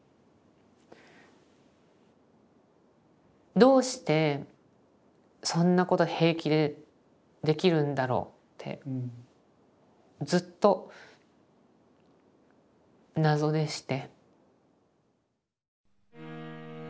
どうしてそんなこと平気でできるんだろうってずっと謎でして。